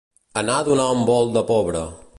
Anar a donar un volt de pobre.